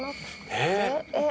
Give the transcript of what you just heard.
「えっ！？」